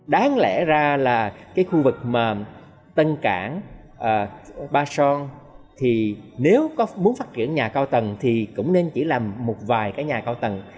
đáng lẽ ra là khu vực tân cảng ba son nếu muốn phát triển nhà cao tầng thì cũng nên chỉ làm một vài nhà cao tầng